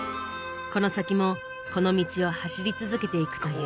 この先もこの道を走り続けていくという。